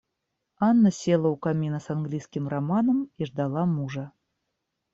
Анна села у камина с английским романом и ждала мужа.